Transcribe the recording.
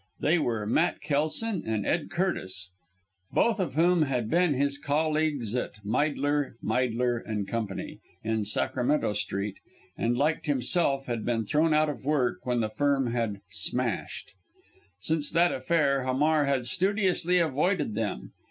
They were Matt Kelson and Ed Curtis; both of whom had been his colleagues at Meidler, Meidler & Co., in Sacramento Street, and like himself had been thrown out of work when the firm had "smashed." Since that affair Hamar had studiously avoided them.